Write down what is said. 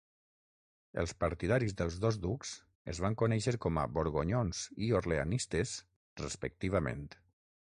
Els partidaris dels dos ducs es van conèixer com a "borgonyons" i "orleanistes", respectivament.